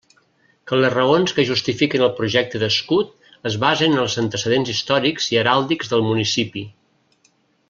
Que les raons que justifiquen el projecte d'escut es basen en els antecedents històrics i heràldics del municipi.